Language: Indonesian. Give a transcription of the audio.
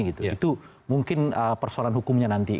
itu mungkin persoalan hukumnya nanti